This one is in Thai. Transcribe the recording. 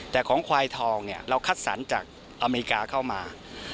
แต่ของควายทองเนี่ยเราคัดสรรจากอเมริกาเข้ามา